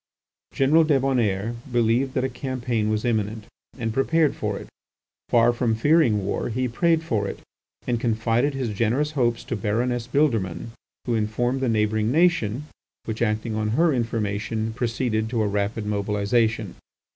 General Débonnaire believed that a campaign was imminent, and prepared for it. Far from fearing war, he prayed for it, and confided his generous hopes to Baroness Bildermann, who informed the neighbouring nation, which, acting on her information, proceeded to a rapid mobilization.